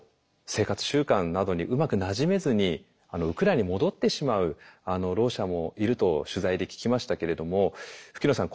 生活習慣などにうまくなじめずにウクライナに戻ってしまうろう者もいると取材で聞きましたけれども吹野さん